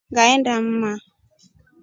Ngaenda mma.